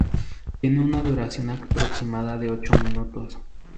Tiene una duración aproximada de ocho minutos.